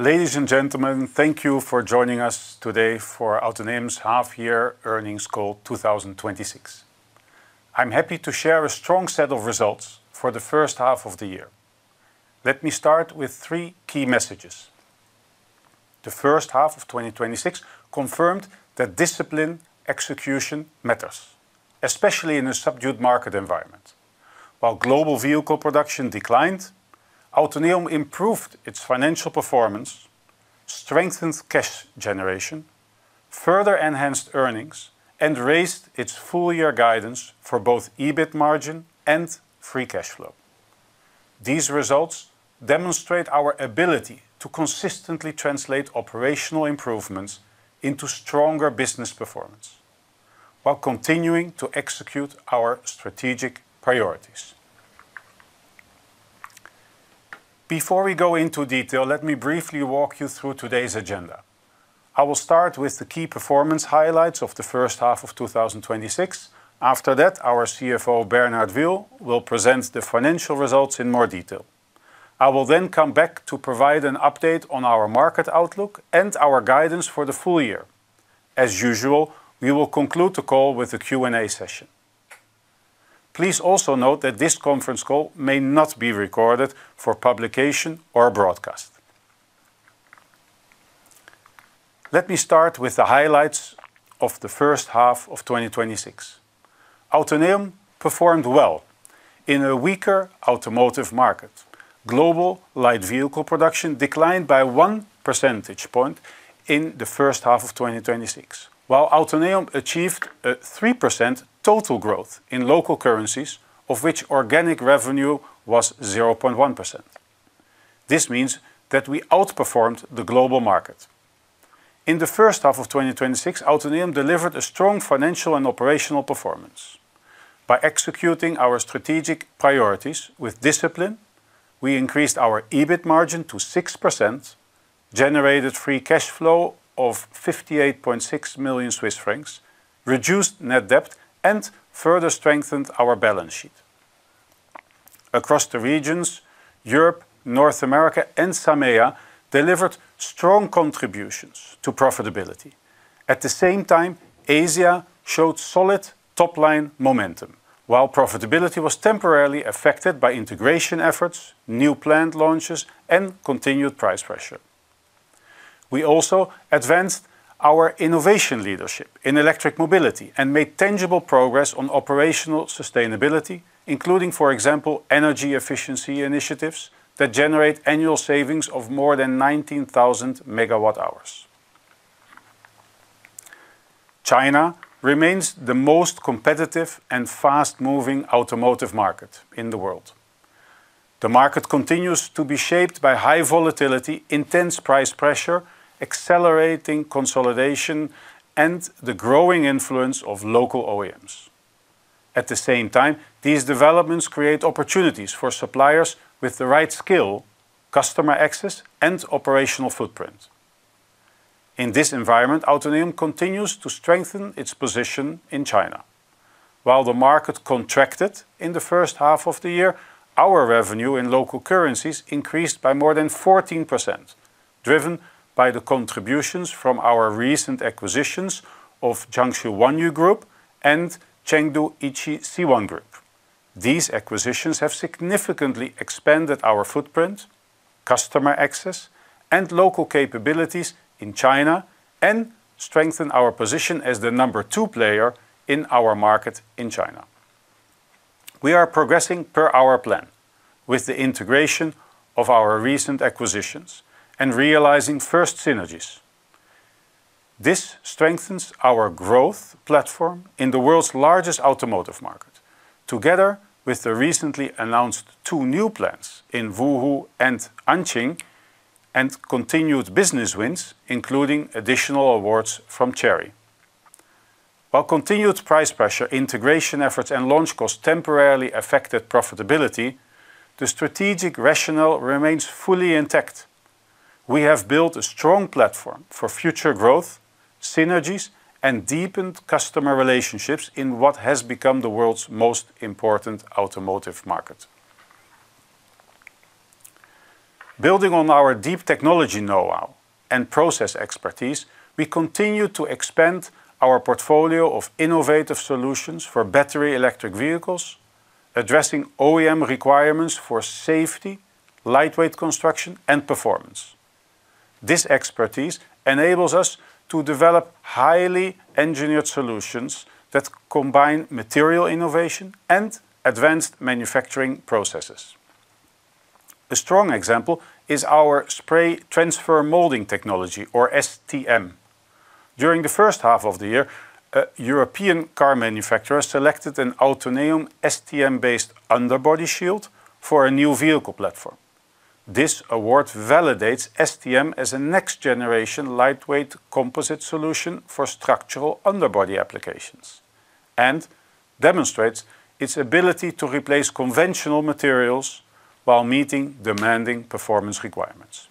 Ladies and gentlemen, thank you for joining us today for Autoneum's half year earnings call 2026. I'm happy to share a strong set of results for the first half of the year. Let me start with three key messages. The first half of 2026 confirmed that discipline execution matters, especially in a subdued market environment. While global vehicle production declined, Autoneum improved its financial performance, strengthened cash generation, further enhanced earnings, and raised its full year guidance for both EBITDA margin and free cash flow. These results demonstrate our ability to consistently translate operational improvements into stronger business performance while continuing to execute our strategic priorities. Before we go into detail, let me briefly walk you through today's agenda. I will start with the key performance highlights of the first half of 2026. After that, our Chief Financial Officer, Bernhard Wiehl, will present the financial results in more detail. I will come back to provide an update on our market outlook and our guidance for the full year. As usual, we will conclude the call with a Q&A session. Please also note that this conference call may not be recorded for publication or broadcast. Let me start with the highlights of the first half of 2026. Autoneum performed well in a weaker automotive market. Global light vehicle production declined by one percentage point in the first half of 2026, while Autoneum achieved a 3% total growth in local currencies, of which organic revenue was 0.1%. This means that we outperformed the global market. In the first half of 2026, Autoneum delivered a strong financial and operational performance. By executing our strategic priorities with discipline, we increased our EBITDA margin to 6%, generated free cash flow of 58.6 million Swiss francs, reduced net debt, and further strengthened our balance sheet. Across the regions, Europe, North America, and SAMEA delivered strong contributions to profitability. At the same time, Asia showed solid top-line momentum, while profitability was temporarily affected by integration efforts, new plant launches, and continued price pressure. We also advanced our innovation leadership in electric mobility and made tangible progress on operational sustainability, including, for example, energy efficiency initiatives that generate annual savings of more than 19,000 MWh. China remains the most competitive and fast-moving automotive market in the world. The market continues to be shaped by high volatility, intense price pressure, accelerating consolidation, and the growing influence of local OEMs. At the same time, these developments create opportunities for suppliers with the right skill, customer access, and operational footprint. In this environment, Autoneum continues to strengthen its position in China. While the market contracted in the first half of the year, our revenue in local currencies increased by more than 14%, driven by the contributions from our recent acquisitions of Jiangsu Huanyu Group and Chengdu Yiqi-Sihuan Group. These acquisitions have significantly expanded our footprint, customer access, and local capabilities in China, and strengthen our position as the number two player in our market in China. We are progressing per our plan with the integration of our recent acquisitions and realizing first synergies. This strengthens our growth platform in the world's largest automotive market, together with the recently announced two new plants in Wuhu and Anqing, and continued business wins, including additional awards from Chery. While continued price pressure, integration efforts, and launch costs temporarily affected profitability, the strategic rationale remains fully intact. We have built a strong platform for future growth, synergies, and deepened customer relationships in what has become the world's most important automotive market. Building on our deep technology knowhow and process expertise, we continue to expand our portfolio of innovative solutions for battery electric vehicles, addressing OEM requirements for safety, lightweight construction, and performance. This expertise enables us to develop highly engineered solutions that combine material innovation and advanced manufacturing processes. A strong example is our Spray Transfer Molding technology, or STM. During the first half of the year, a European car manufacturer selected an Autoneum STM-based underbody shield for a new vehicle platform. This award validates STM as a next-generation lightweight composite solution for structural underbody applications and demonstrates its ability to replace conventional materials while meeting demanding performance requirements.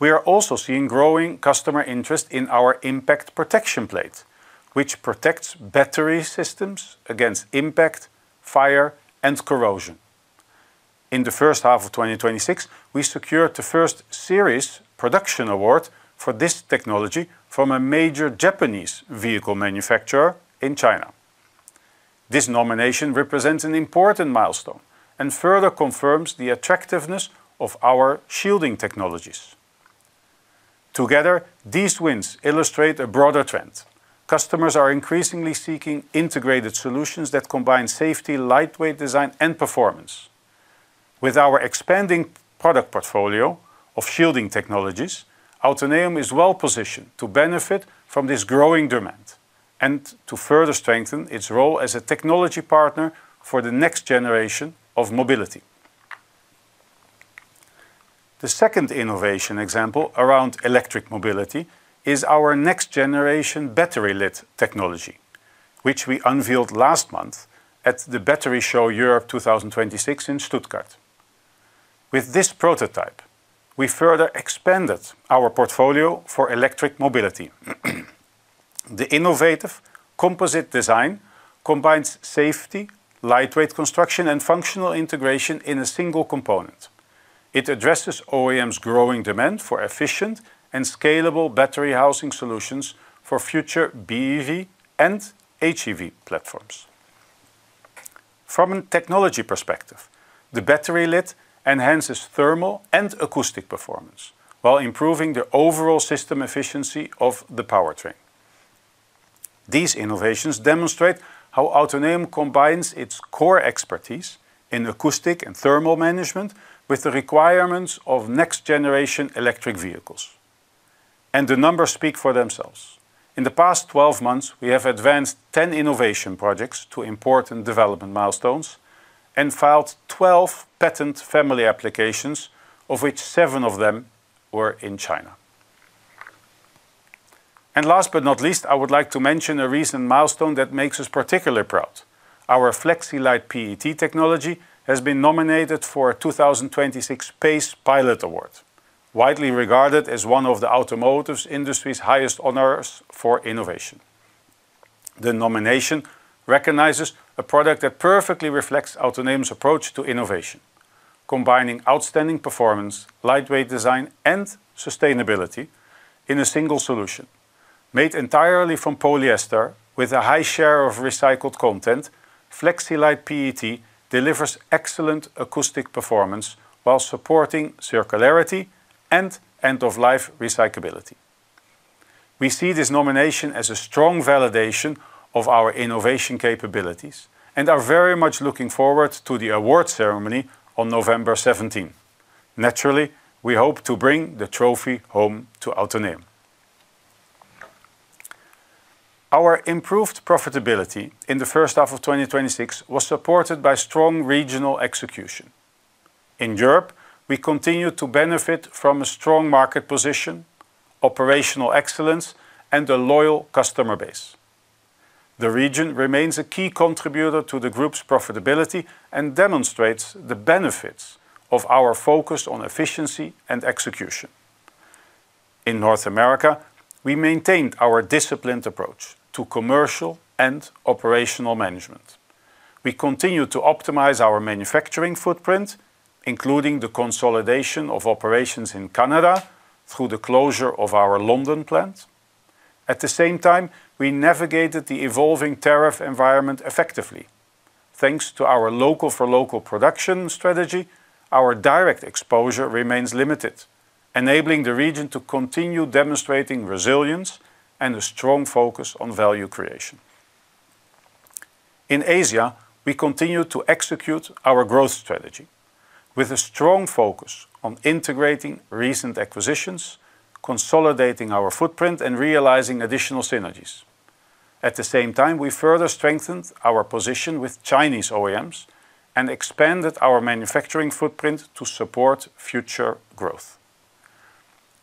We are also seeing growing customer interest in our Impact Protection Plate, which protects battery systems against impact, fire, and corrosion. In the first half of 2026, we secured the first series production award for this technology from a major Japanese vehicle manufacturer in China. This nomination represents an important milestone and further confirms the attractiveness of our shielding technologies. These wins illustrate a broader trend. Customers are increasingly seeking integrated solutions that combine safety, lightweight design, and performance. With our expanding product portfolio of shielding technologies, Autoneum is well-positioned to benefit from this growing demand and to further strengthen its role as a technology partner for the next generation of mobility. The second innovation example around electric mobility is our next-generation battery lid technology, which we unveiled last month at The Battery Show Europe 2026 in Stuttgart. The innovative composite design combines safety, lightweight construction, and functional integration in a single component. It addresses OEMs' growing demand for efficient and scalable battery housing solutions for future BEV and HEV platforms. From a technology perspective, the battery lid enhances thermal and acoustic performance while improving the overall system efficiency of the powertrain. These innovations demonstrate how Autoneum combines its core expertise in acoustic and thermal management with the requirements of next-generation electric vehicles. The numbers speak for themselves. In the past 12 months, we have advanced 10 innovation projects to important development milestones and filed 12 patent family applications, of which seven of them were in China. Last but not least, I would like to mention a recent milestone that makes us particularly proud. Our Flexi-Light PET technology has been nominated for a 2026 PACE Pilot Award, widely regarded as one of the automotive industry's highest honors for innovation. The nomination recognizes a product that perfectly reflects Autoneum's approach to innovation, combining outstanding performance, lightweight design, and sustainability in a single solution. Made entirely from polyester with a high share of recycled content, Flexi-Light PET delivers excellent acoustic performance while supporting circularity and end-of-life recyclability. We see this nomination as a strong validation of our innovation capabilities and are very much looking forward to the award ceremony on November 17. Naturally, we hope to bring the trophy home to Autoneum. Our improved profitability in the first half of 2026 was supported by strong regional execution. In Europe, we continue to benefit from a strong market position, operational excellence, and a loyal customer base. The region remains a key contributor to the group's profitability and demonstrates the benefits of our focus on efficiency and execution. In North America, we maintained our disciplined approach to commercial and operational management. We continue to optimize our manufacturing footprint, including the consolidation of operations in Canada through the closure of our London plant. At the same time, we navigated the evolving tariff environment effectively. Thanks to our local-for-local production strategy, our direct exposure remains limited, enabling the region to continue demonstrating resilience and a strong focus on value creation. In Asia, we continue to execute our growth strategy with a strong focus on integrating recent acquisitions, consolidating our footprint, and realizing additional synergies. At the same time, we further strengthened our position with Chinese OEMs and expanded our manufacturing footprint to support future growth.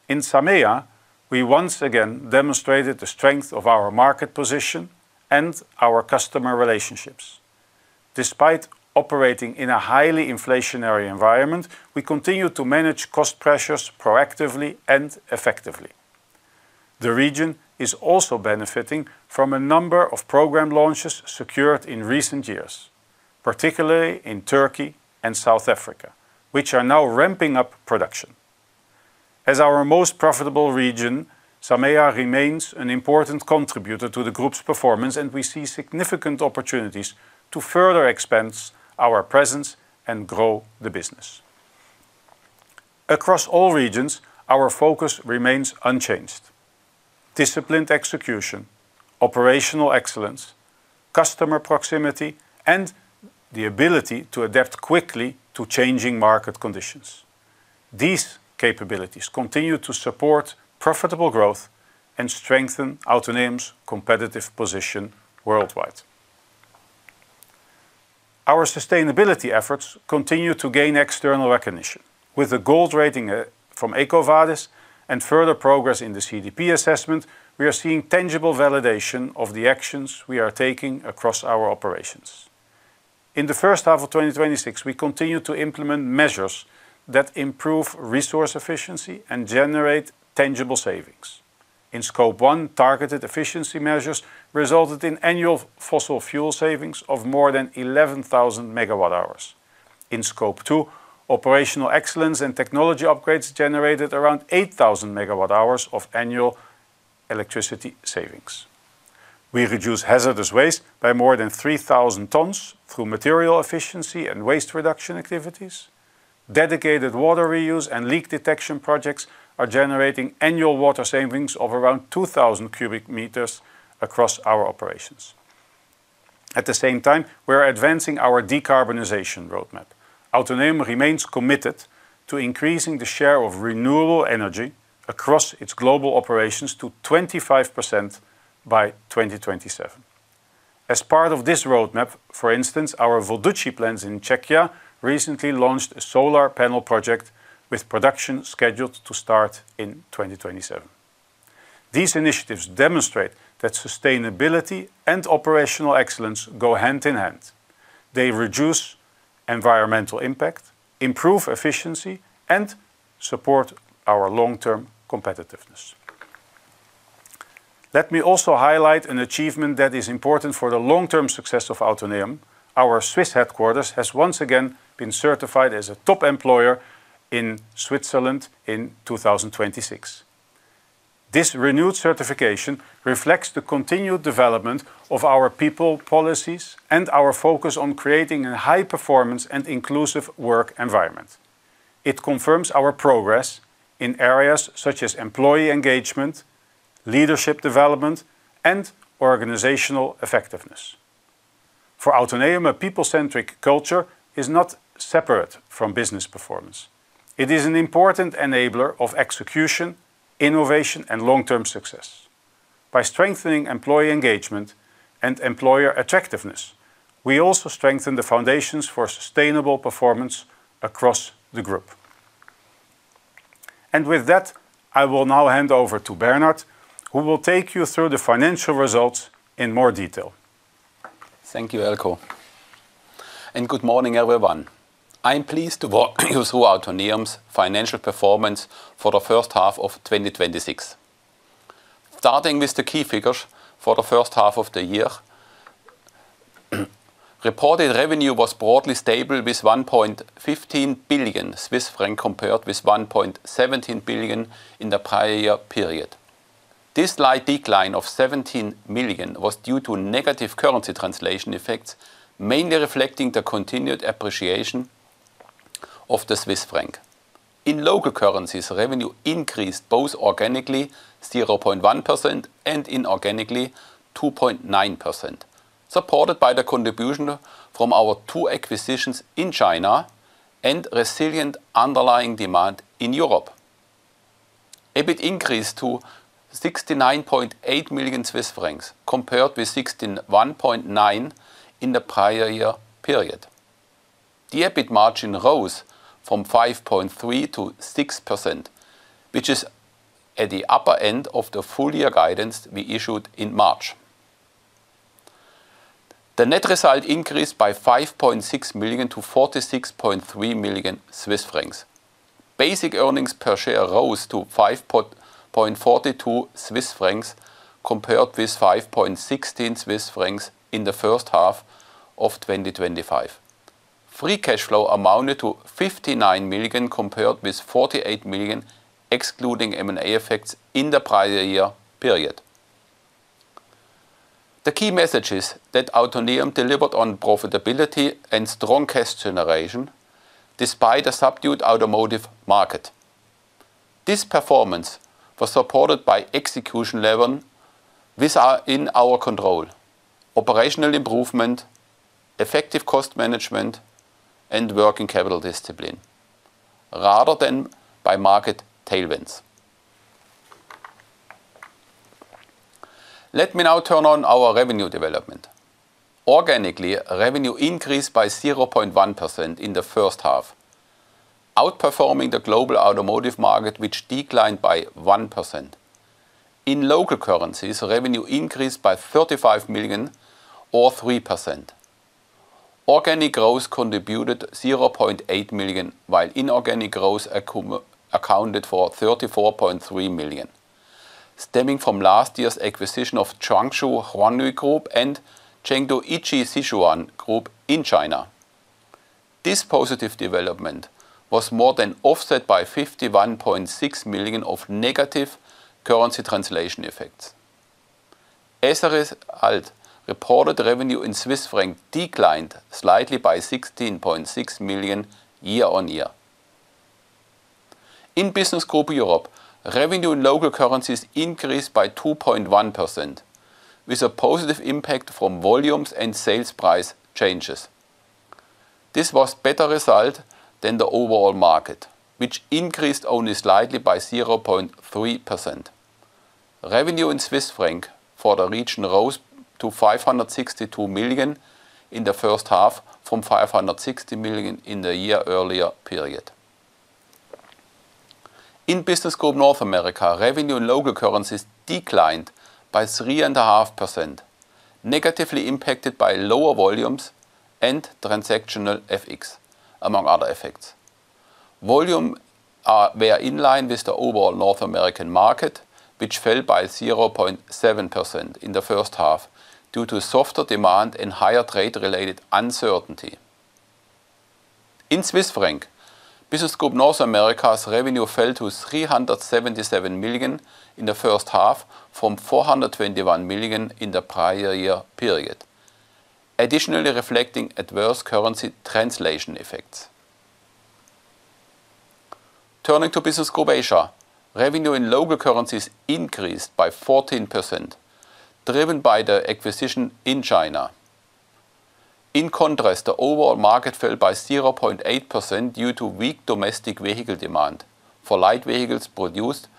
In SAMEA, we once again demonstrated the strength of our market position and our customer relationships. Despite operating in a highly inflationary environment, we continue to manage cost pressures proactively and effectively. The region is also benefiting from a number of program launches secured in recent years, particularly in Turkey and South Africa, which are now ramping up production. As our most profitable region, SAMEA remains an important contributor to the group's performance, and we see significant opportunities to further expand our presence and grow the business. Across all regions, our focus remains unchanged: disciplined execution, operational excellence, customer proximity, and the ability to adapt quickly to changing market conditions. These capabilities continue to support profitable growth and strengthen Autoneum's competitive position worldwide. Our sustainability efforts continue to gain external recognition. With a gold rating from EcoVadis and further progress in the CDP assessment, we are seeing tangible validation of the actions we are taking across our operations. In the first half of 2026, we continued to implement measures that improve resource efficiency and generate tangible savings. In Scope 1, targeted efficiency measures resulted in annual fossil fuel savings of more than 11,000 MWh. In Scope 2, operational excellence and technology upgrades generated around 8,000 MWh of annual electricity savings. We reduced hazardous waste by more than 3,000 tons through material efficiency and waste reduction activities. Dedicated water reuse and leak detection projects are generating annual water savings of around 2,000 cubic meters across our operations. At the same time, we are advancing our decarbonization roadmap. Autoneum remains committed to increasing the share of renewable energy across its global operations to 25% by 2027. As part of this roadmap, for instance, our Volduchy plants in Czechia recently launched a solar panel project, with production scheduled to start in 2027. These initiatives demonstrate that sustainability and operational excellence go hand in hand. They reduce environmental impact, improve efficiency, and support our long-term competitiveness. Let me also highlight an achievement that is important for the long-term success of Autoneum. Our Swiss headquarters has once again been certified as a Top Employer in Switzerland in 2026. This renewed certification reflects the continued development of our people policies and our focus on creating a high-performance and inclusive work environment. It confirms our progress in areas such as employee engagement, leadership development, and organizational effectiveness. For Autoneum, a people-centric culture is not separate from business performance. It is an important enabler of execution, innovation, and long-term success. By strengthening employee engagement and employer attractiveness, we also strengthen the foundations for sustainable performance across the group. With that, I will now hand over to Bernhard, who will take you through the financial results in more detail. Thank you, Eelco, good morning, everyone. I am pleased to walk you through Autoneum's financial performance for the first half of 2026. Starting with the key figures for the first half of the year, reported revenue was broadly stable with 1.15 billion Swiss franc, compared with 1.17 billion in the prior period. This slight decline of 17 million was due to negative currency translation effects, mainly reflecting the continued appreciation of the Swiss franc. In local currencies, revenue increased both organically 0.1% and inorganically 2.9%, supported by the contribution from our two acquisitions in China and resilient underlying demand in Europe. EBITDA increased to 69.8 million Swiss francs compared with 61.9 in the prior year period. The EBITDA margin rose from 5.3% to 6%, which is at the upper end of the full-year guidance we issued in March. The net result increased by 5.6 million to 46.3 million Swiss francs. Basic earnings per share rose to 5.42 Swiss francs compared with 5.16 Swiss francs in the first half of 2025. Free cash flow amounted to 59 million, compared with 48 million excluding M&A effects in the prior year period. The key message is that Autoneum delivered on profitability and strong cash generation despite a subdued automotive market. This performance was supported by execution lever within our control, operational improvement, effective cost management, and working capital discipline, rather than by market tailwinds. Let me now turn on our revenue development. Organically, revenue increased by 0.1% in the first half, outperforming the global automotive market, which declined by 1%. In local currencies, revenue increased by 35 million or 3%. Organic growth contributed 0.8 million, while inorganic growth accounted for 34.3 million, stemming from last year's acquisition of Jiangsu Huanyu Group and Chengdu Yiqi-Sihuan Group in China. This positive development was more than offset by 51.6 million of negative currency translation effects. As a result, reported revenue in CHF declined slightly by 16.6 million year-on-year. In Business Group Europe, revenue in local currencies increased by 2.1%, with a positive impact from volumes and sales price changes. This was better result than the overall market, which increased only slightly by 0.3%. Revenue in Swiss franc for the region rose to 562 million in the first half from 560 million in the year earlier period. In Business Group North America, revenue and local currencies declined by 3.5%, negatively impacted by lower volumes and transactional FX, among other effects. Volume were in line with the overall North American market, which fell by 0.7% in the first half due to softer demand and higher trade-related uncertainty. In Swiss franc, Business Group North America's revenue fell to 377 million in the first half from 421 million in the prior year period, additionally reflecting adverse currency translation effects. Turning to Business Group Asia, revenue in local currencies increased by 14%, driven by the acquisition in China. In contrast, the overall market fell by 0.8% due to weak domestic vehicle demand for light vehicles produced,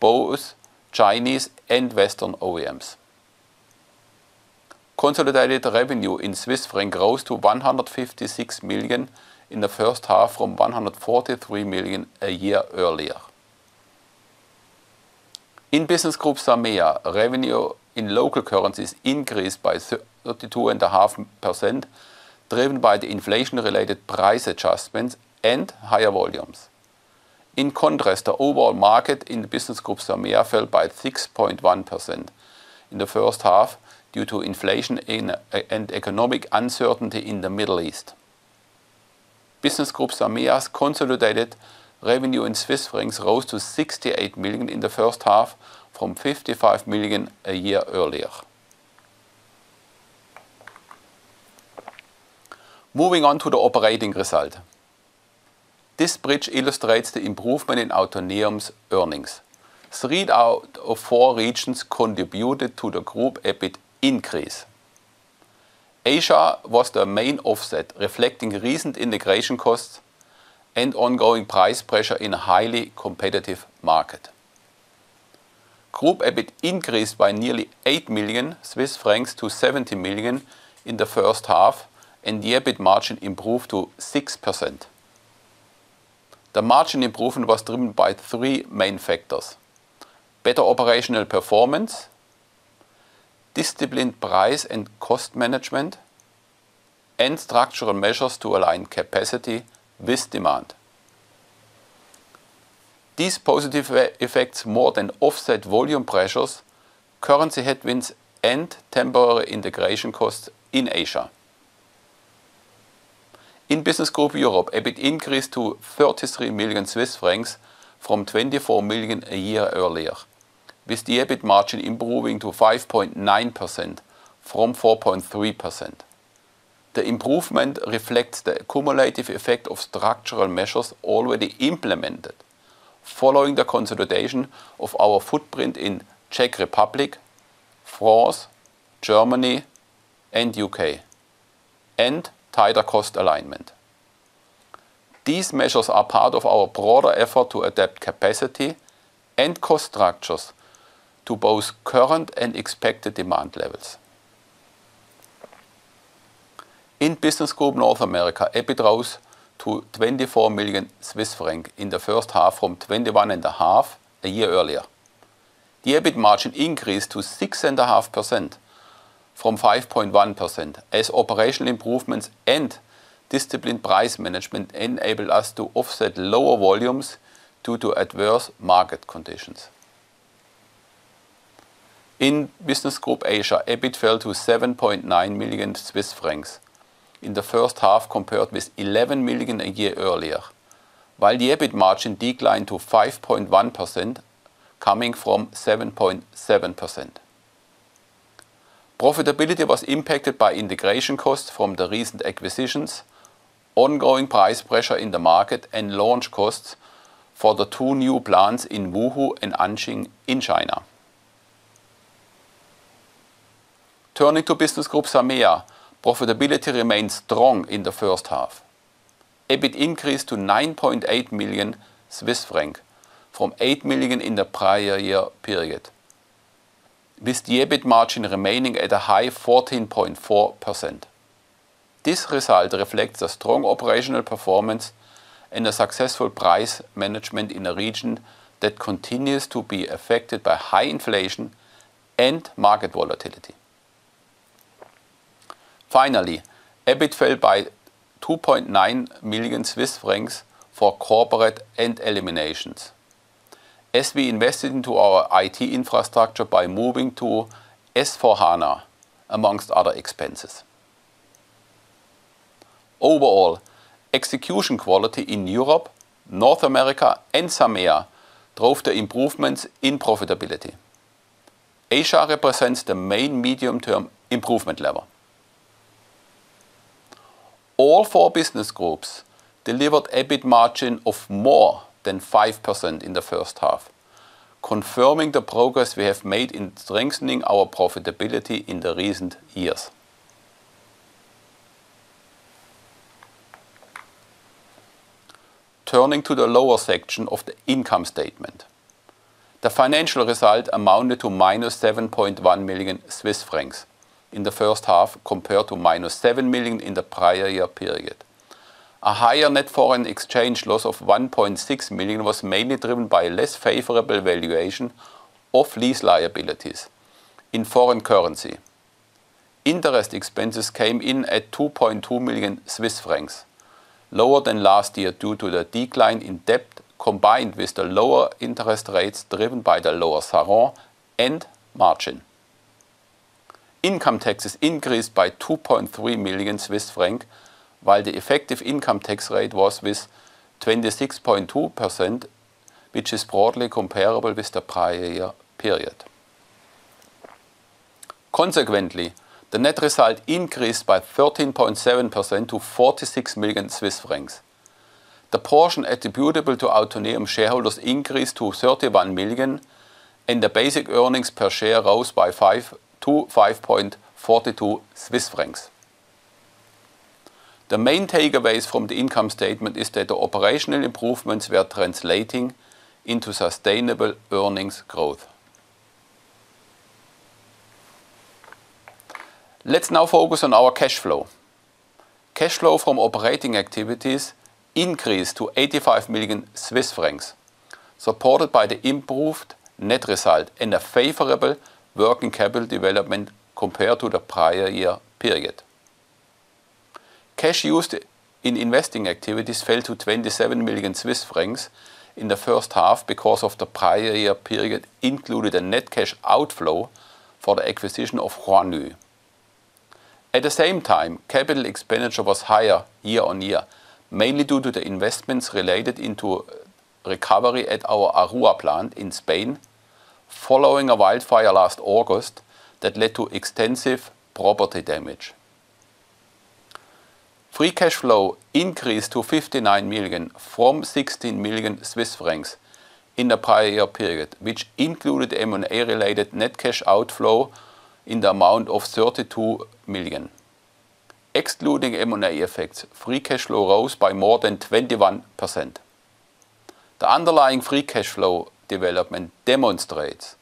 both Chinese and Western OEMs. Consolidated revenue in Swiss franc rose to 156 million in the first half from 143 million a year earlier. In Business Group SAMEA, revenue in local currencies increased by 32.5%, driven by the inflation-related price adjustments and higher volumes. In contrast, the overall market in the Business Group SAMEA fell by 6.1% in the first half due to inflation and economic uncertainty in the Middle East. Business Group SAMEA's consolidated revenue in Swiss franc rose to 68 million in the first half from 55 million a year earlier. Moving on to the operating result. This bridge illustrates the improvement in Autoneum's earnings. Three out of four regions contributed to the group EBITDA increase. Asia was the main offset, reflecting recent integration costs and ongoing price pressure in a highly competitive market. Group EBITDA increased by nearly 8 million-70 million Swiss francs in the first half, and the EBITDA margin improved to 6%. The margin improvement was driven by three main factors: Better operational performance, disciplined price and cost management, and structural measures to align capacity with demand. These positive effects more than offset volume pressures, currency headwinds, and temporary integration costs in Asia. In Business Group Europe, EBITDA increased to 33 million Swiss francs from 24 million a year earlier, with the EBITDA margin improving to 5.9% from 4.3%. The improvement reflects the cumulative effect of structural measures already implemented following the consolidation of our footprint in Czech Republic, France, Germany, and U.K., and tighter cost alignment. These measures are part of our broader effort to adapt capacity and cost structures to both current and expected demand levels. In Business Group North America, EBITDA rose to 24 million Swiss francs in the first half from 21.5 million a year earlier. The EBITDA margin increased to 6.5% from 5.1% as operational improvements and disciplined price management enabled us to offset lower volumes due to adverse market conditions. In Business Group Asia, EBITDA fell to 7.9 million Swiss francs in the first half compared with 11 million a year earlier, while the EBITDA margin declined to 5.1% coming from 7.7%. Profitability was impacted by integration costs from the recent acquisitions, ongoing price pressure in the market, and launch costs for the two new plants in Wuhu and Anqing in China. Turning to Business Group SAMEA, profitability remained strong in the first half. EBITDA increased to 9.8 million Swiss franc from 8 million in the prior year period, with the EBITDA margin remaining at a high 14.4%. This result reflects a strong operational performance and a successful price management in a region that continues to be affected by high inflation and market volatility. Finally, EBITDA fell by 2.9 million Swiss francs for corporate and eliminations as we invested into our IT infrastructure by moving to S/4HANA, amongst other expenses. Overall, execution quality in Europe, North America, and SAMEA drove the improvements in profitability. Asia represents the main medium-term improvement lever. All four business groups delivered EBITDA margin of more than 5% in the first half, confirming the progress we have made in strengthening our profitability in the recent years. Turning to the lower section of the income statement, the financial result amounted to -7.1 million Swiss francs in the first half, compared to -7 million in the prior year period. A higher net foreign exchange loss of 1.6 million was mainly driven by less favorable valuation of lease liabilities in foreign currency. Interest expenses came in at 2.2 million Swiss francs, lower than last year due to the decline in debt, combined with the lower interest rates driven by the lower SARON and margin. Income taxes increased by 2.3 million Swiss francs, while the effective income tax rate was 26.2%, which is broadly comparable with the prior period. Consequently, the net result increased by 13.7% to 46 million Swiss francs. The portion attributable to Autoneum shareholders increased to 31 million, and the basic earnings per share rose to 5.42 Swiss francs. The main takeaways from the income statement is that the operational improvements were translating into sustainable earnings growth. Let's now focus on our cash flow. Cash flow from operating activities increased to 85 million Swiss francs, supported by the improved net result and a favorable working capital development compared to the prior year period. Cash used in investing activities fell to 27 million Swiss francs in the first half because the prior year period included a net cash outflow for the acquisition of Huanyu. At the same time, capital expenditure was higher year-on-year, mainly due to the investments related into recovery at our A Rúa plant in Spain, following a wildfire last August that led to extensive property damage. Free cash flow increased to 59 million from 16 million Swiss francs in the prior year period, which included M&A-related net cash outflow in the amount of 32 million. Excluding M&A effects, free cash flow rose by more than 21%. The underlying free cash flow development demonstrates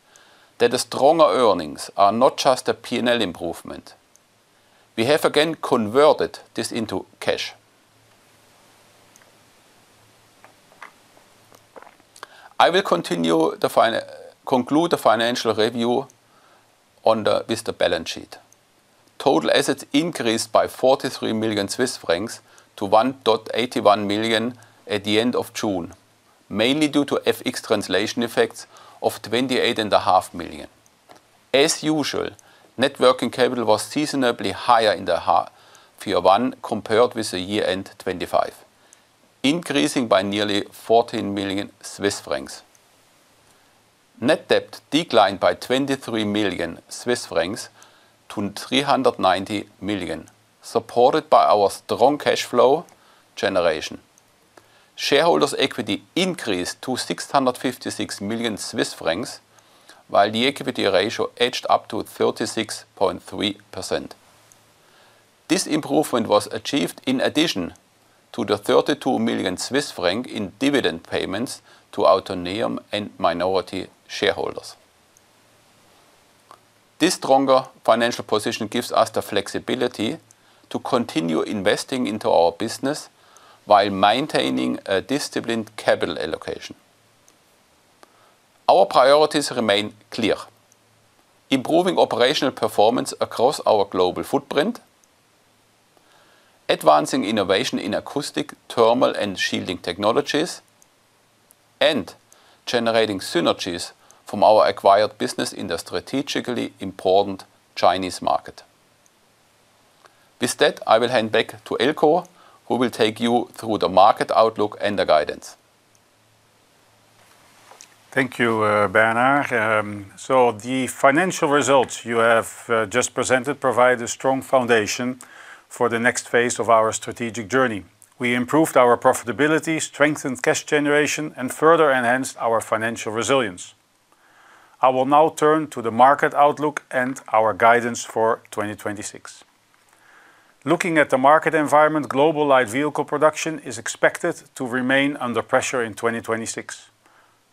that the stronger earnings are not just a P&L improvement. We have again converted this into cash. I will conclude the financial review with the balance sheet. Total assets increased by 43 million Swiss francs to 1.81 million at the end of June, mainly due to FX translation effects of 28.5 million. As usual, net working capital was seasonably higher in the half compared with the year-end 2025, increasing by nearly 14 million Swiss francs. Net debt declined by 23 million Swiss francs to 390 million, supported by our strong cash flow generation. Shareholders' equity increased to 656 million Swiss francs, while the equity ratio edged up to 36.3%. This improvement was achieved in addition to the 32 million Swiss franc in dividend payments to Autoneum and minority shareholders. This stronger financial position gives us the flexibility to continue investing into our business while maintaining a disciplined capital allocation. Our priorities remain clear: Improving operational performance across our global footprint, advancing innovation in acoustic, thermal, and shielding technologies, and generating synergies from our acquired business in the strategically important Chinese market. With that, I will hand back to Eelco, who will take you through the market outlook and the guidance. Thank you, Bernhard. The financial results you have just presented provide a strong foundation for the next phase of our strategic journey. We improved our profitability, strengthened cash generation, and further enhanced our financial resilience. I will now turn to the market outlook and our guidance for 2026. Looking at the market environment, global light vehicle production is expected to remain under pressure in 2026.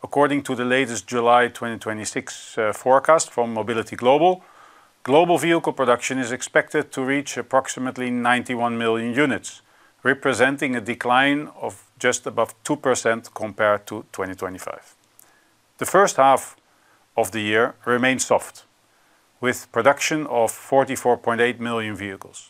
According to the latest July 2026 forecast from Mobility Global, global vehicle production is expected to reach approximately 91 million units, representing a decline of just above 2% compared to 2025. The first half of the year remains soft, with production of 44.8 million vehicles.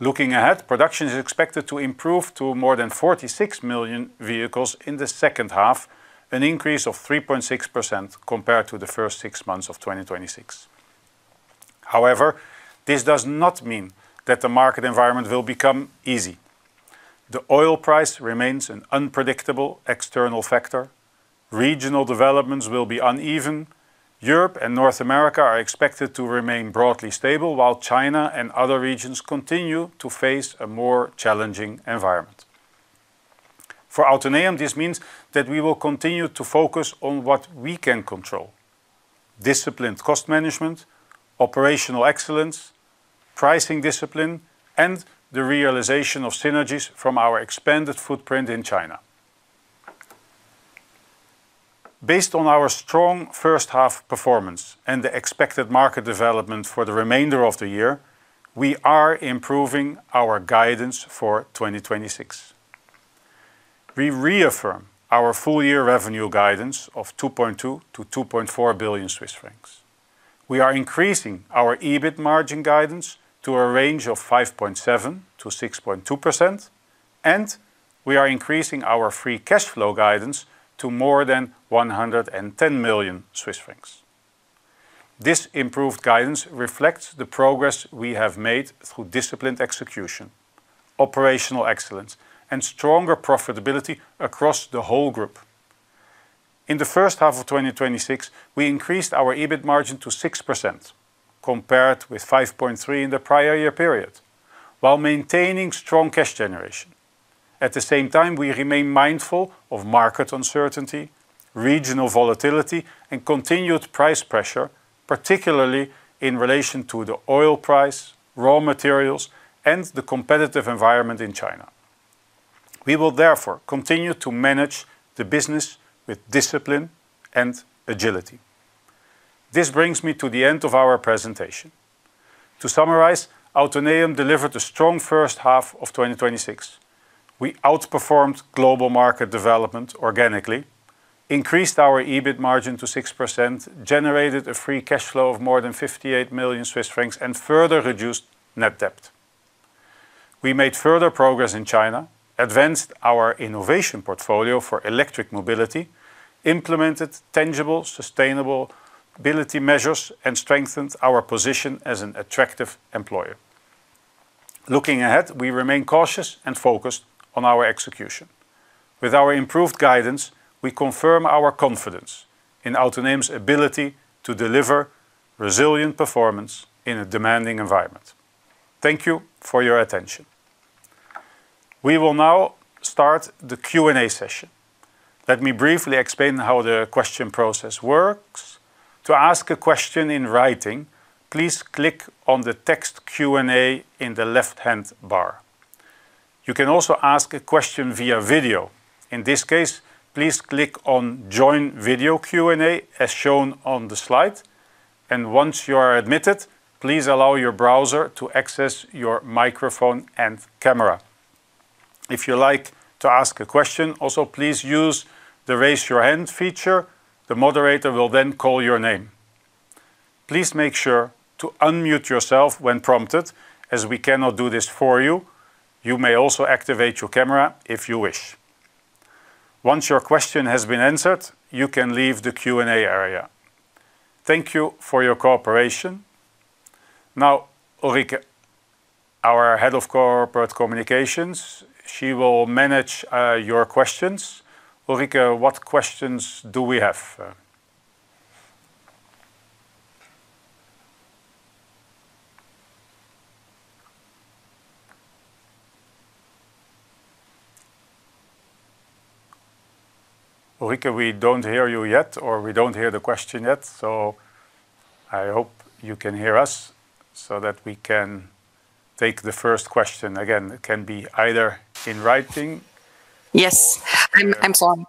Looking ahead, production is expected to improve to more than 46 million vehicles in the second half, an increase of 3.6% compared to the first six months of 2026. However, this does not mean that the market environment will become easy. The oil price remains an unpredictable external factor. Regional developments will be uneven. Europe and North America are expected to remain broadly stable, while China and other regions continue to face a more challenging environment. For Autoneum, this means that we will continue to focus on what we can control: Disciplined cost management, operational excellence, pricing discipline, and the realization of synergies from our expanded footprint in China. Based on our strong first half performance and the expected market development for the remainder of the year, we are improving our guidance for 2026. We reaffirm our full year revenue guidance of 2.2 billion-2.4 billion Swiss francs. We are increasing our EBITDA margin guidance to a range of 5.7%-6.2%, and we are increasing our free cash flow guidance to more than 110 million Swiss francs. This improved guidance reflects the progress we have made through disciplined execution, operational excellence, and stronger profitability across the whole group. In the first half of 2026, we increased our EBITDA margin to 6%, compared with 5.3% in the prior year period, while maintaining strong cash generation. At the same time, we remain mindful of market uncertainty, regional volatility, and continued price pressure, particularly in relation to the oil price, raw materials, and the competitive environment in China. We will therefore continue to manage the business with discipline and agility. This brings me to the end of our presentation. To summarize, Autoneum delivered a strong first half of 2026. We outperformed global market development organically, increased our EBITDA margin to 6%, generated a free cash flow of more than 58 million Swiss francs, and further reduced net debt. We made further progress in China, advanced our innovation portfolio for electric mobility, implemented tangible sustainability measures, and strengthened our position as an attractive employer. Looking ahead, we remain cautious and focused on our execution. With our improved guidance, we confirm our confidence in Autoneum's ability to deliver resilient performance in a demanding environment. Thank you for your attention. We will now start the Q&A session. Let me briefly explain how the question process works. To ask a question in writing, please click on the Text Q&A in the left-hand bar. You can also ask a question via video. In this case, please click on Join Video Q&A, as shown on the slide. Once you are admitted, please allow your browser to access your microphone and camera. If you'd like to ask a question, also please use the Raise Your Hand feature. The moderator will then call your name. Please make sure to unmute yourself when prompted, as we cannot do this for you. You may also activate your camera if you wish. Once your question has been answered, you can leave the Q&A area. Thank you for your cooperation. Now, Ulrike, our Head of Corporate Communications, she will manage your questions. Ulrike, we do not hear you yet, or we do not hear the question yet. I hope you can hear us so that we can take the first question. Again, it can be either in writing or. Yes. I am sorry.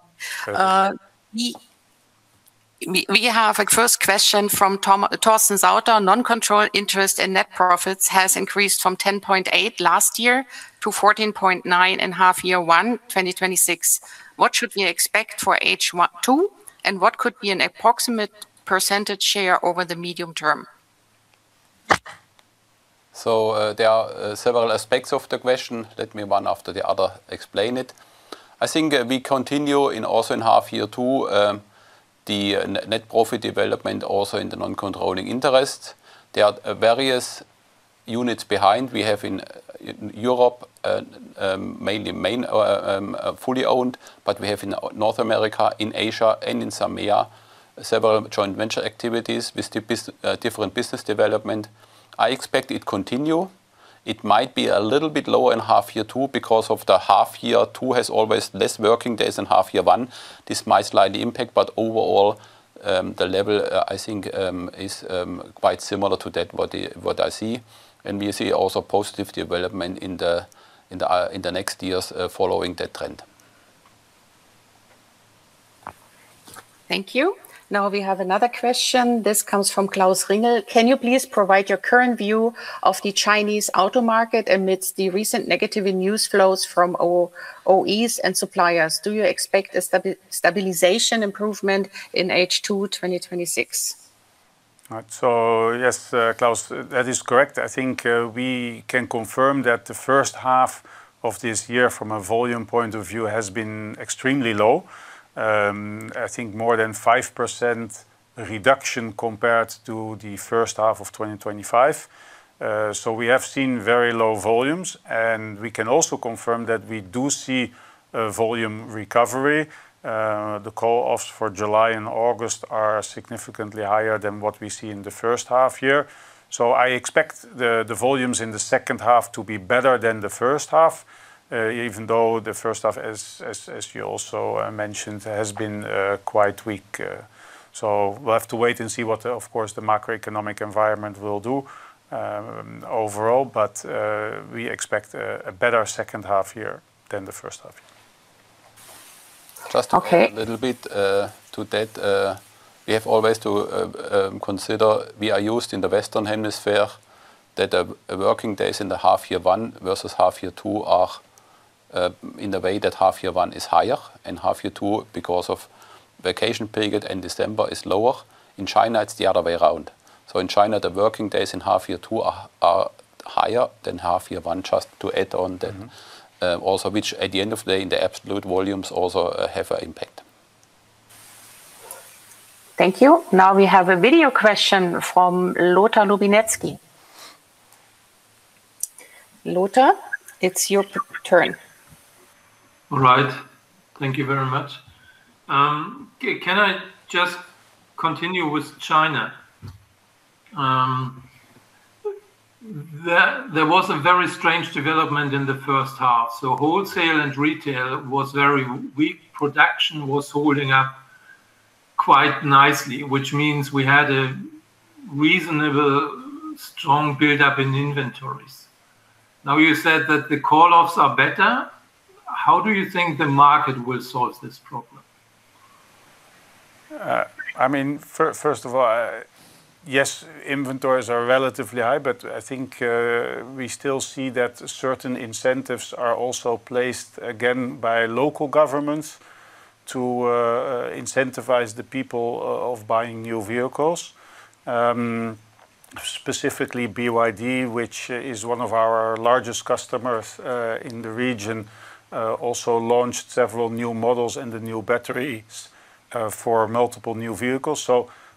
We have a first question from Torsten Sauter. Non-controlling interest and net profits has increased from 10.8 million last year to 14.9 million in half year one, 2026. What should we expect for H2, and what could be an approximate percentage share over the medium term? There are several aspects of the question. Let me one after the other explain it. I think we continue in also in half year two, the net profit development also in the non-controlling interest. There are various units behind. We have in Europe, mainly fully owned, but we have in North America, in Asia and in SAMEA, several joint venture activities with different business development. I expect it continue. It might be a little bit lower in half year two because of the half year two has always less working days than half year one. This might slightly impact, but overall, the level, I think, is quite similar to that what I see. We see also positive development in the next years following that trend. Thank you. Now we have another question. This comes from Klaus Ringle. Can you please provide your current view of the Chinese auto market amidst the recent negative news flows from OEMs and suppliers? Do you expect a stabilization improvement in H2 2026? Yes, Klaus, that is correct. I think we can confirm that the first half of this year, from a volume point of view, has been extremely low. I think more than 5% reduction compared to the first half of 2025. We have seen very low volumes, and we can also confirm that we do see a volume recovery. The call-offs for July and August are significantly higher than what we see in the first half year. I expect the volumes in the second half to be better than the first half, even though the first half, as you also mentioned, has been quite weak. We'll have to wait and see what, of course, the macroeconomic environment will do overall. We expect a better second half year than the first half year. Just a little bit to that. We have always to consider, we are used in the Western Hemisphere that the working days in the half year one versus half year two are in the way that half year one is higher and half year two, because of vacation period in December, is lower. In China, it's the other way around. In China, the working days in half year two are higher than half year one, just to add on then. Also, which at the end of the day, in the absolute volumes also have an impact. Thank you. We have a video question from Lothar Lubinetzki. Lothar, it's your turn. All right. Thank you very much. Can I just continue with China? There was a very strange development in the first half. Wholesale and retail was very weak. Production was holding up quite nicely, which means we had a reasonably strong buildup in inventories. You said that the call-offs are better. How do you think the market will solve this problem? First of all, yes, inventories are relatively high, but I think we still see that certain incentives are also placed again by local governments to incentivize the people of buying new vehicles. Specifically, BYD, which is one of our largest customers in the region, also launched several new models and the new batteries for multiple new vehicles.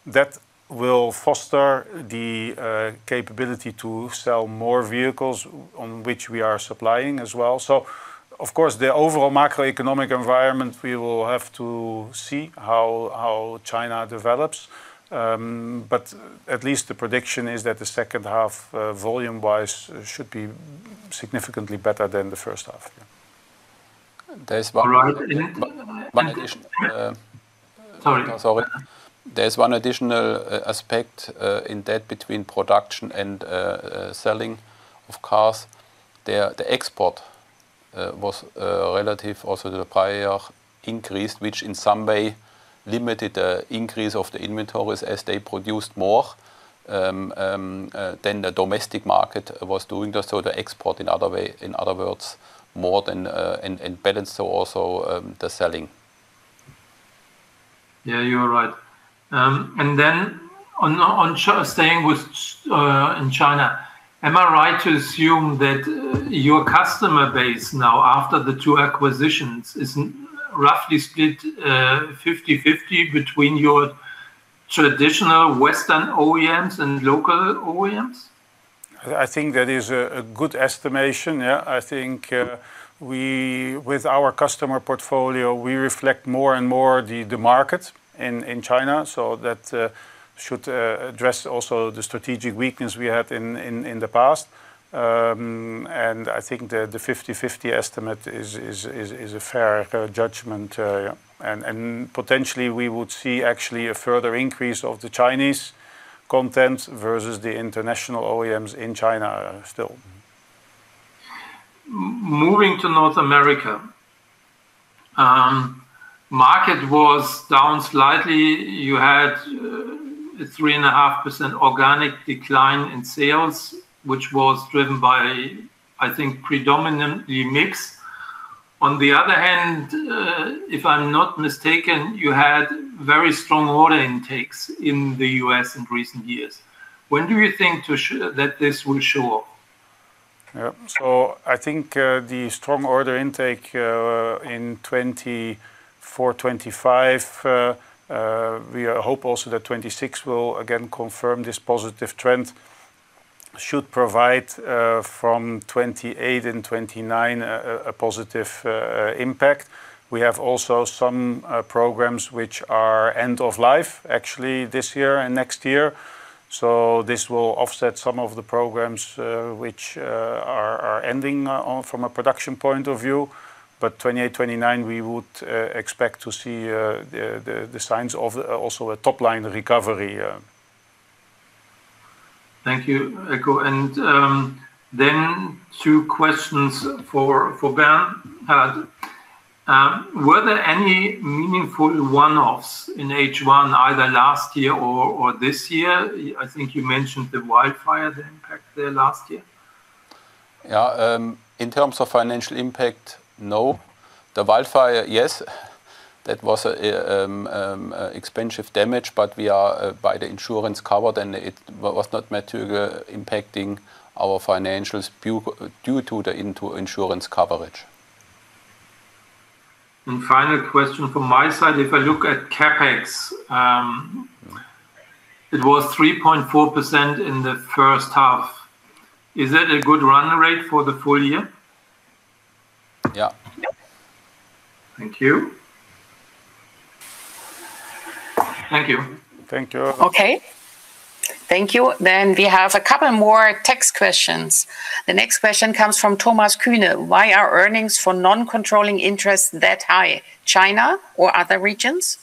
That will foster the capability to sell more vehicles on which we are supplying as well. Of course, the overall macroeconomic environment, we will have to see how China develops. At least the prediction is that the second half, volume wise, should be significantly better than the first half, yeah. There's one- All right. One additional- Sorry. Sorry. There is one additional aspect in that between production and selling of cars. The export was relative also to the prior increase, which in some way limited the increase of the inventories as they produced more than the domestic market was doing. The export, in other words, more than, and balanced also the selling. Yeah, you are right. Staying in China, am I right to assume that your customer base now after the two acquisitions is roughly split 50/50 between your traditional Western OEMs and local OEMs? I think that is a good estimation. Yeah. I think with our customer portfolio, we reflect more and more the market in China. That should address also the strategic weakness we had in the past. I think the 50/50 estimate is a fair judgment, yeah. Potentially, we would see actually a further increase of the Chinese content versus the international OEMs in China still. Moving to Business Group North America. Market was down slightly. You had 3.5% organic decline in sales, which was driven by, I think, predominantly mix. On the other hand, if I am not mistaken, you had very strong order intakes in the U.S. in recent years. When do you think that this will show up? I think, the strong order intake, in 2024, 2025, we hope also that 2026 will again confirm this positive trend, should provide, from 2028 and 2029, a positive impact. We have also some programs which are end of life actually this year and next year. This will offset some of the programs, which are ending from a production point of view. 2028, 2029, we would expect to see the signs of also a top-line recovery. Thank you, Eelco. Two questions for Bernhard. Were there any meaningful one-offs in H1 either last year or this year? I think you mentioned the wildfire, the impact there last year. In terms of financial impact, no. The wildfire, yes. That was expensive damage, but we are by the insurance covered, and it was not material impacting our financials due to the insurance coverage. Final question from my side. If I look at CapEx, it was 3.4% in the first half. Is that a good run rate for the full year? Yeah. Thank you. Thank you. Thank you. Okay. Thank you. We have a couple more text questions. The next question comes from Thomas Kühne. Why are earnings for non-controlling interests that high? China or other regions?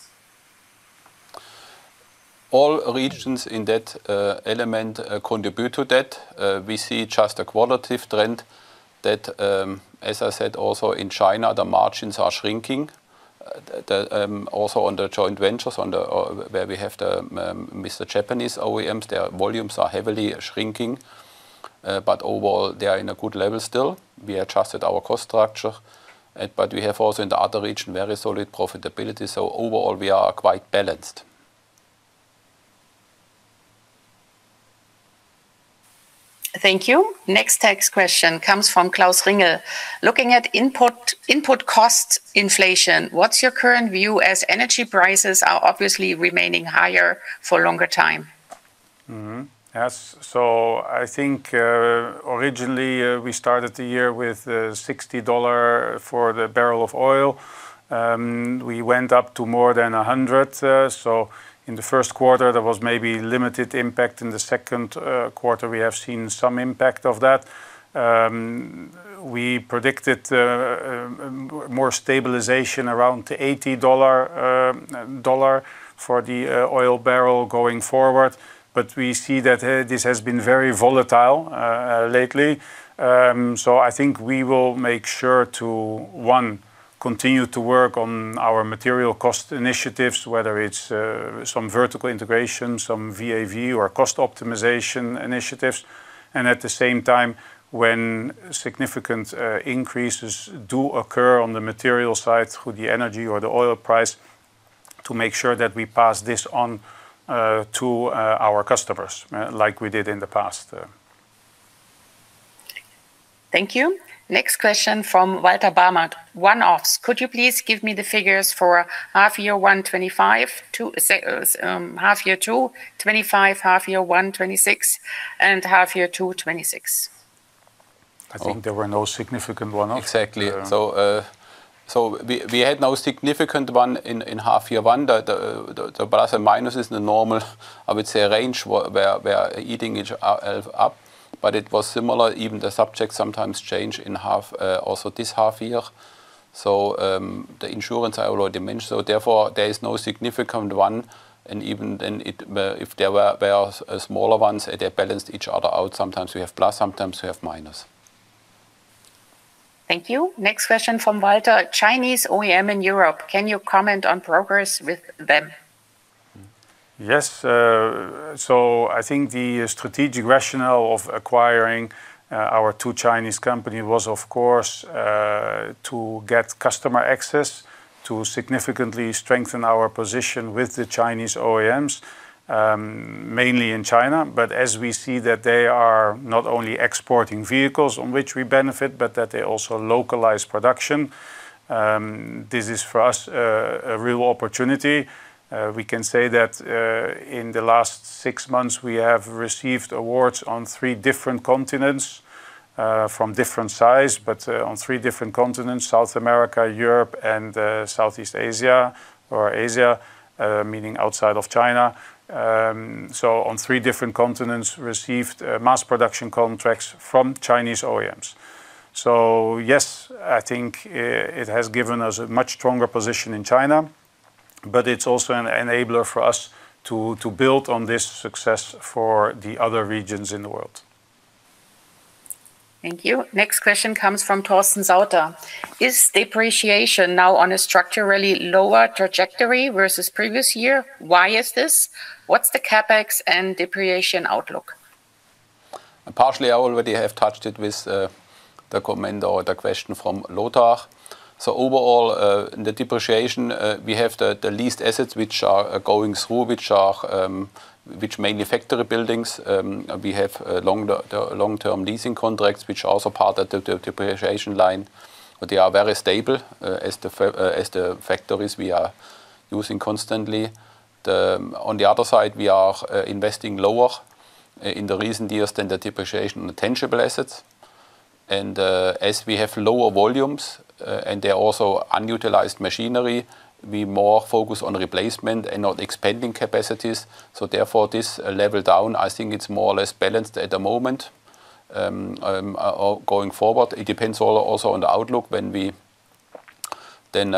All regions in that element contribute to that. We see just a qualitative trend that, as I said, also in China, the margins are shrinking. Also on the joint ventures, where we have the Japanese OEMs, their volumes are heavily shrinking. Overall, they are in a good level still. We adjusted our cost structure, but we have also in the other region, very solid profitability. Overall, we are quite balanced. Thank you. Next text question comes from Klaus Ringle: Looking at input cost inflation, what's your current view as energy prices are obviously remaining higher for longer time? Yes. I think, originally, we started the year with $60 for the barrel of oil. We went up to more than 100. In the first quarter, there was maybe limited impact. In the second quarter, we have seen some impact of that. We predicted more stabilization around $80 for the oil barrel going forward. We see that this has been very volatile lately. I think we will make sure to, one, continue to work on our material cost initiatives, whether it's some vertical integration, some VA/VE or cost optimization initiatives, and at the same time, when significant increases do occur on the material side through the energy or the oil price, to make sure that we pass this on to our customers, like we did in the past. Thank you. Next question from Walter Bamert: one-offs. Could you please give me the figures for half year one 2025, half year two 2025, half year one 2026, and half year two 2026? I think there were no significant one-offs. We had no significant one in half year one. The plus and minus is the normal, I would say, range, where eating each other up. It was similar, even the subjects sometimes change in half, also this half year. The insurance I already mentioned, so therefore there is no significant one. Even if there were smaller ones, they balanced each other out. Sometimes we have plus, sometimes we have minus. Thank you. Next question from Walter. Chinese OEM in Europe, can you comment on progress with them? Yes. I think the strategic rationale of acquiring our two Chinese company was, of course, to get customer access to significantly strengthen our position with the Chinese OEMs, mainly in China, but as we see that they are not only exporting vehicles on which we benefit, but that they also localize production. This is for us, a real opportunity. We can say that in the last six months, we have received awards on three different continents, from different size, but on three different continents, South America, Europe, and Southeast Asia or Asia, meaning outside of China. On three different continents, received mass production contracts from Chinese OEMs. Yes, I think it has given us a much stronger position in China, but it's also an enabler for us to build on this success for the other regions in the world. Thank you. Next question comes from Torsten Sauter: is depreciation now on a structurally lower trajectory versus previous year? Why is this? What's the CapEx and depreciation outlook? Overall, I already have touched it with the comment or the question from Lothar. Overall, the depreciation, we have the lease assets which are going through, which mainly factory buildings. We have long-term leasing contracts, which are also part of the depreciation line, but they are very stable as the factories we are using constantly. The other side, we are investing lower in the recent years than the depreciation on tangible assets. As we have lower volumes, and there are also unutilized machinery, we more focus on replacement and not expanding capacities. Therefore, this level down, I think it's more or less balanced at the moment. Going forward, it depends also on the outlook when we then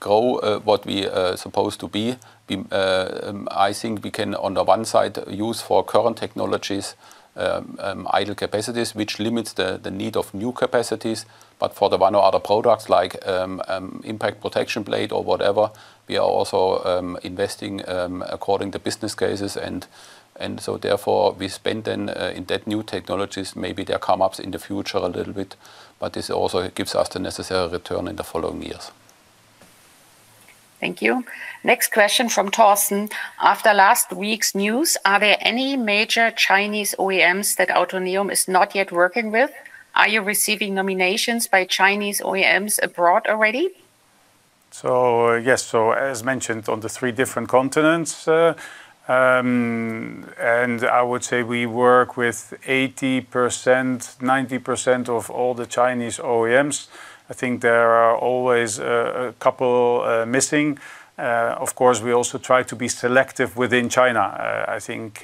grow, what we supposed to be. I think we can, the one side, use for current technologies, idle capacities, which limits the need of new capacities. For the one or other products like Impact Protection Plate or whatever, we are also investing according to business cases, therefore, we spend then in that new technologies, maybe they come up in the future a little bit, this also gives us the necessary return in the following years. Thank you. Next question from Torsten Sauter. After last week's news, are there any major Chinese OEMs that Autoneum is not yet working with? Are you receiving nominations by Chinese OEMs abroad already? Yes, as mentioned, on the three different continents. I would say we work with 80%-90% of all the Chinese OEMs. I think there are always a couple missing. Of course, we also try to be selective within China. I think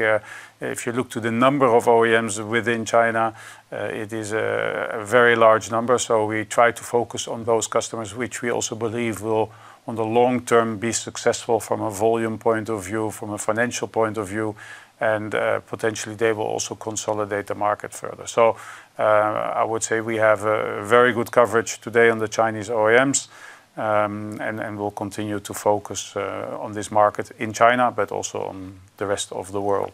if you look to the number of OEMs within China, it is a very large number. We try to focus on those customers, which we also believe will, in the long term, be successful from a volume point of view, from a financial point of view, and potentially, they will also consolidate the market further. I would say we have a very good coverage today on the Chinese OEMs, and will continue to focus on this market in China, but also on the rest of the world.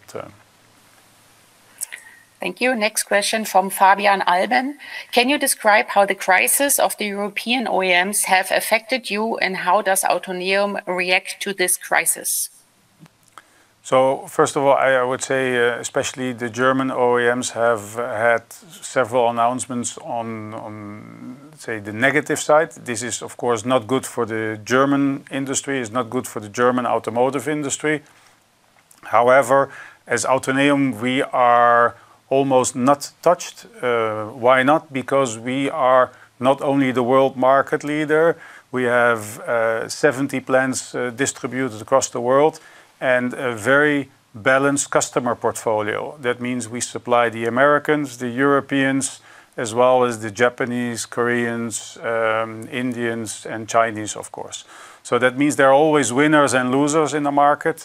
Thank you. Next question from Fabian Alben. Can you describe how the crisis of the European OEMs have affected you, and how does Autoneum react to this crisis? First of all, I would say, especially the German OEMs have had several announcements on, let's say, the negative side. This is, of course, not good for the German industry, it's not good for the German automotive industry. However, as Autoneum, we are almost not touched. Why not? Because we are not only the world market leader, we have 70 plants distributed across the world and a very balanced customer portfolio. We supply the Americans, the Europeans, as well as the Japanese, Koreans, Indians, and Chinese, of course. There are always winners and losers in the market.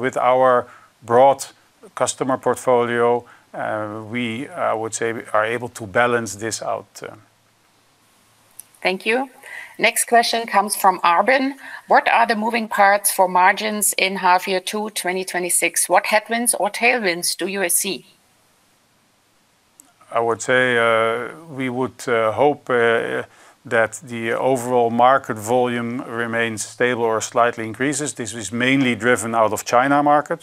With our broad customer portfolio, we, I would say, are able to balance this out. Thank you. Next question comes from Arvin. What are the moving parts for margins in H2 2026? What headwinds or tailwinds do you see? I would say, we would hope that the overall market volume remains stable or slightly increases. This is mainly driven out of China market.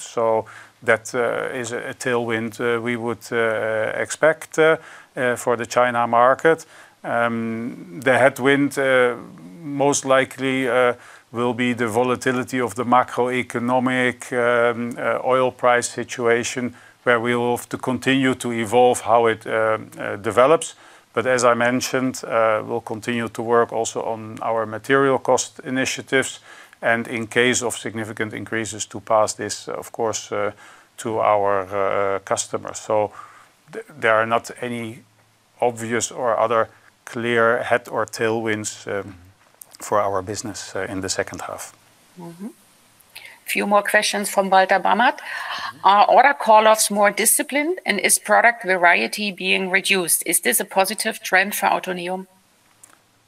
That is a tailwind we would expect for the China market. The headwind most likely will be the volatility of the macroeconomic oil price situation, where we will have to continue to evolve how it develops. As I mentioned, we'll continue to work also on our material cost initiatives, and in case of significant increases, to pass this, of course, to our customers. There are not any obvious or other clear head or tailwinds for our business in the second half. Mm-hmm. Few more questions from Walter Bamert. Are order call-offs more disciplined, and is product variety being reduced? Is this a positive trend for Autoneum?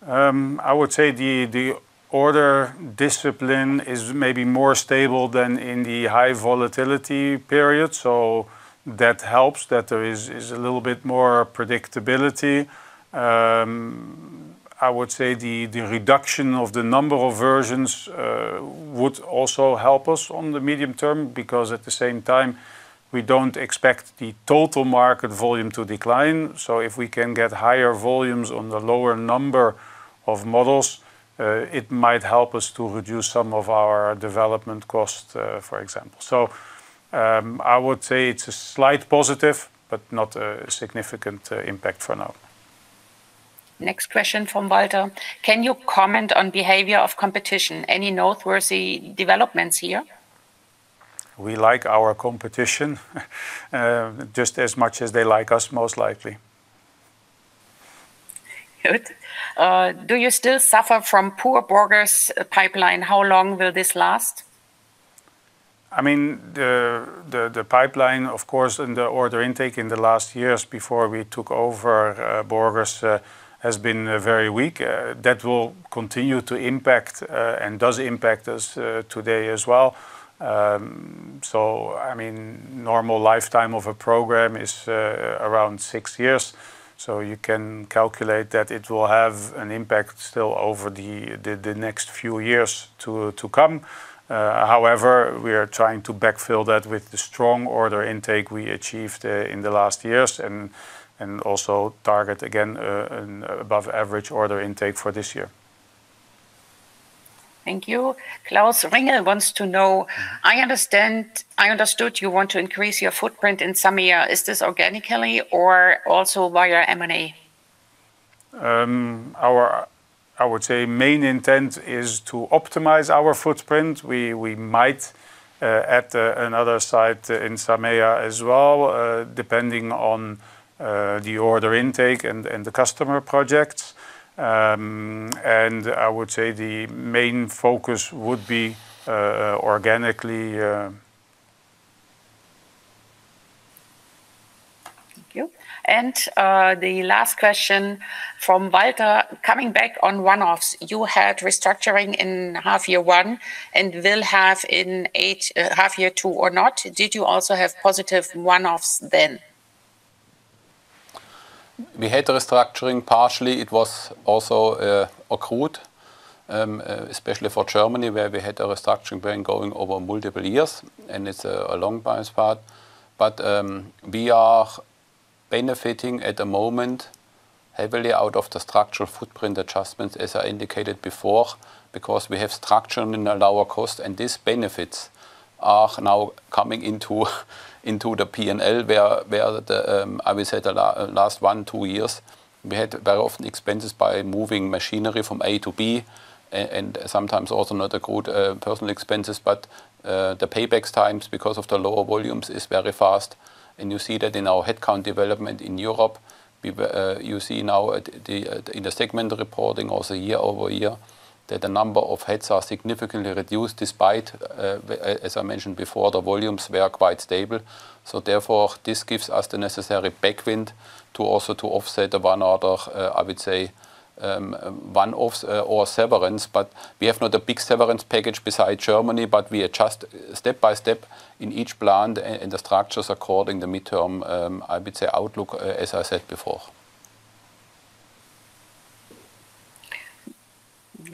I would say the order discipline is maybe more stable than in the high volatility period, so that helps that there is a little bit more predictability. I would say the reduction of the number of versions would also help us on the medium term, because at the same time, we don't expect the total market volume to decline. If we can get higher volumes on the lower number of models, it might help us to reduce some of our development costs, for example. I would say it's a slight positive, but not a significant impact for now. Next question from Walter. Can you comment on behavior of competition? Any noteworthy developments here? We like our competition just as much as they like us, most likely. Good. Do you still suffer from poor Borgers pipeline? How long will this last? The pipeline, of course, and the order intake in the last years before we took over Borgers, has been very weak. That will continue to impact, and does impact us today as well. Normal lifetime of a program is around six years, so you can calculate that it will have an impact still over the next few years to come. However, we are trying to backfill that with the strong order intake we achieved in the last years and also target, again, an above-average order intake for this year. Thank you. Klaus Ringle wants to know, I understood you want to increase your footprint in SAMEA. Is this organically or also via M&A? Our, I would say, main intent is to optimize our footprint. We might add another site in SAMEA as well, depending on the order intake and the customer projects. I would say the main focus would be organically. Thank you. The last question from Walter. Coming back on one-offs, you had restructuring in H1, and will have in H2 or not? Did you also have positive one-offs then? We had the restructuring partially. It was also accrued, especially for Germany, where we had a restructuring plan going over multiple years, and it's a long process part. We are benefiting at the moment heavily out of the structural footprint adjustments, as I indicated before, because we have structured in a lower cost, and these benefits are now coming into the P&L, where I would say the last one, two years, we had very often expenses by moving machinery from A to B, and sometimes also not accrued personal expenses. The paybacks times, because of the lower volumes, is very fast. You see that in our headcount development in Europe. You see now in the segment reporting also year-over-year, that the number of heads are significantly reduced despite, as I mentioned before, the volumes were quite stable. Therefore, this gives us the necessary backwind to also to offset one-off, I would say, one-offs or severance, but we have not a big severance package beside Germany, but we adjust step by step in each plant and the structures according the midterm, I would say, outlook, as I said before.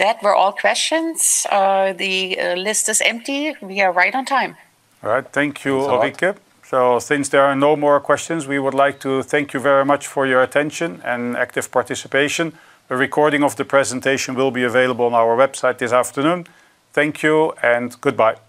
That were all questions. The list is empty. We are right on time. All right. Thank you, Ulrike. Since there are no more questions, we would like to thank you very much for your attention and active participation. A recording of the presentation will be available on our website this afternoon. Thank you and goodbye.